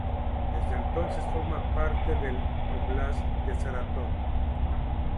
Desde entonces forma parte del Óblast de Sarátov.